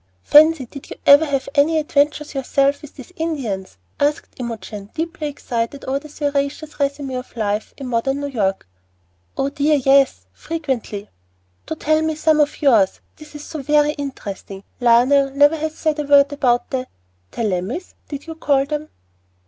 "Fancy! Did you ever have any adventures yourself with these Indians?" asked Imogen, deeply excited over this veracious resumé of life in modern New York. "Oh, dear, yes frequently." "Do tell me some of yours. This is so very interesting. Lionel never has said a word about the Tallamies, did you call them?"